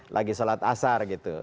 lagi salat asar gitu